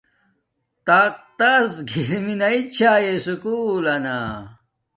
تقتس گیر مناݵ چھاݵݵ سکُول لنا